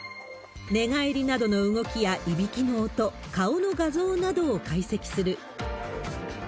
寝返りなどの動きやいびきの音、顔の画像などを解析する。